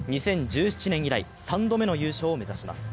２０１７年以来、３度目の優勝を目指します。